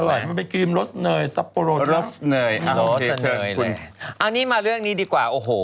ลดเนยเลยเอามาเลี่ยงเรือกี้ดีกว่าโอ้โห